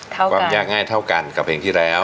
เท่ากันค่ะวิความยากง่ายเท่ากันกับเพลงที่แล้ว